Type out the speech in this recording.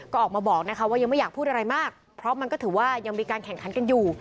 ก็ออกมาบอกนะคะว่ายังไม่อยากพูดอะไรมากเพราะมันก็ถือว่ายังมีการแข่งขันกันอยู่